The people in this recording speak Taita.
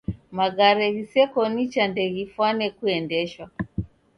Magare ghiseko nicha ndeghifwane kuendeshwa.